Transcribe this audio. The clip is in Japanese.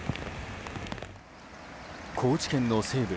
高知県の西部